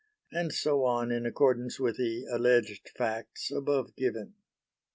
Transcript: And so on in accordance with the (alleged) facts above given.